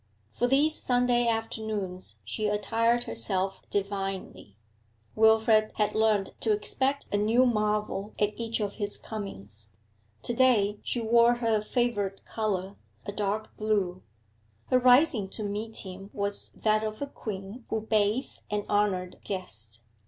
For these Sunday afternoons she attired herself divinely; Wilfrid had learnt to expect a new marvel at each of his comings. To day she wore her favourite colour, a dark blue. Her rising to meet him was that of a queen who bath an honoured guest.